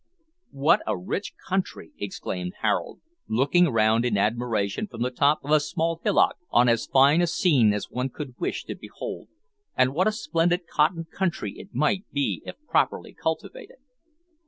"What a rich country!" exclaimed Harold, looking round in admiration from the top of a small hillock on as fine a scene as one could wish to behold, "and what a splendid cotton country it might be if properly cultivated!"